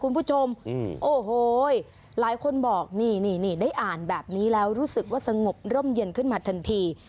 คุณผู้ชมโอ้โหหลายคนบอกนี่นี่ได้อ่านแบบนี้แล้วรู้สึกว่าสงบร่มเย็นขึ้นมาทันที